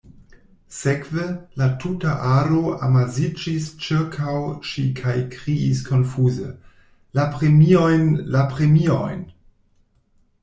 Sekve, la tuta aro amasiĝis ĉirkaŭ ŝi kaj kriis konfuze “La premiojn, la premiojn.”